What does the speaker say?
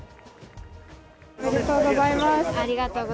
ありがとうございます。